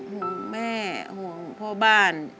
ห่วงแม่ห่วงพ่อบ้าน